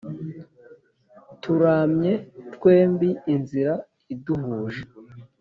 turamye twembi inzira iduhuje!